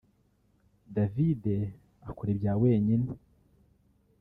David akora ibya wenyine